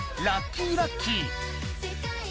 ラッキーラッキー。